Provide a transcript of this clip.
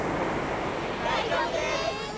だいじょうぶです。